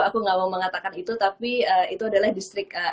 aku gak mau mengatakan itu tapi itu adalah distrik